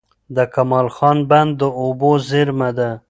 د کمال خان بند د اوبو زېرمه ده.